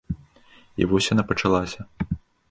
І вось яна пачалася.